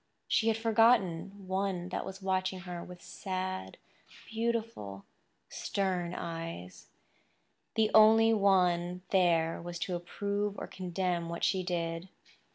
She had forgotten one that was watching her with sad, beautiful, stern eyes—the only one there was to approve or condemn what she did.